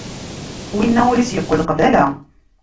Winna ul-is yeqqel qbala.